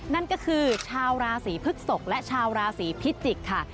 นั่นก็คือชาวราศีพฤกษกและชาวราศีพิจิกษ์ค่ะ